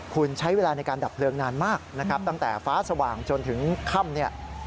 คุณใช้เวลาในการดับเปลืองนานมากตั้งแต่ฟ้าสว่างจนถึงค่ำ